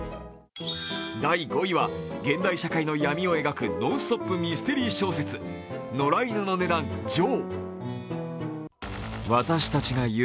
第５位は、現代社会の闇を描くノンストップミステリー小説「野良犬の値段上」